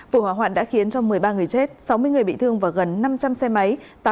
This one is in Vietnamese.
vụ hỏa hoạn đã khiến cho một mươi ba người chết sáu mươi người bị thương và gần năm trăm linh xe máy